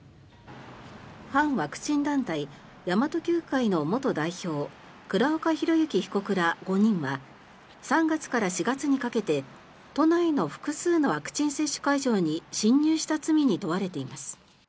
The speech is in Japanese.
反ワクチン団体神真都Ｑ会の元代表倉岡宏行被告ら５人は３月から４月にかけて都内の複数のワクチン接種会場に侵入した罪に問われています。